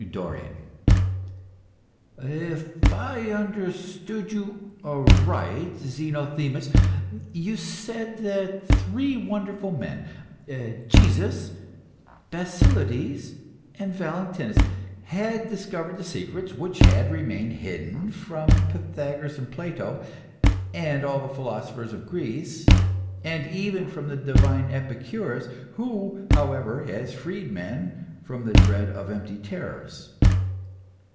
DORION. If I understood you aright, Zenothemis, you said that three wonderful men Jesus, Basilides, and Valentinus had discovered secrets which had remained hidden from Pythagoras and Plato, and all the philosophers of Greece, and even from the divine Epicurus, who, however, has freed men from the dread of empty terrors.